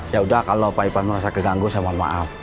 yaudah kalau pak ivan merasa keganggu saya mohon maaf